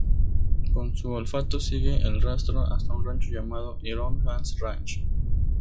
Con su olfato sigue el rastro hasta un rancho llamado "Iron Hans Ranch".